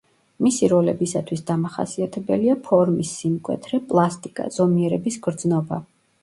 მისი როლებისათვის დამახასიათებელია ფორმის სიმკვეთრე, პლასტიკა, ზომიერების გრძნობა.